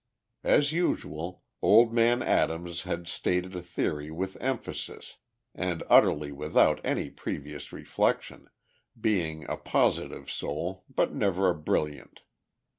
As usual, old man Adams had stated a theory with emphasis and utterly without any previous reflection, being a positive soul, but never a brilliant.